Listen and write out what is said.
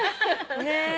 ねえ。